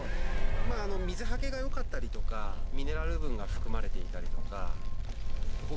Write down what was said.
水はけがよかったりとかミネラル分が含まれていたりとか。